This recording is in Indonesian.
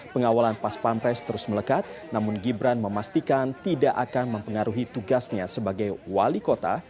pengawalan pas pampres terus melekat namun gibran memastikan tidak akan mempengaruhi tugasnya sebagai wali kota